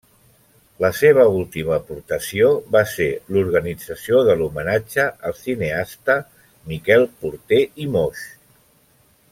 La seva última aportació va ser l'organització de l'Homenatge al cineasta Miquel Porter i Moix.